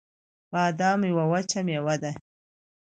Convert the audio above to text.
بادام یوه وچه مېوه ده